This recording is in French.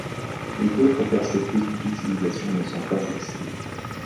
Mais d’autres perspectives d’utilisation ne sont pas exclues.